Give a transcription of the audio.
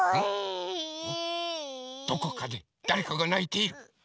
どこかでだれかがないている！